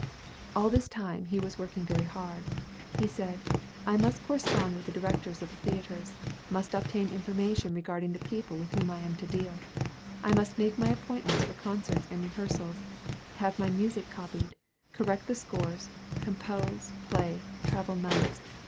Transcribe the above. All this time he was working very hard. He said, "I must correspond with the directors of the theatres; must obtain information regarding the people with whom I am to deal; I must make my appointments for concerts and rehearsals; have my music copied, correct the scores, compose, play, travel nights.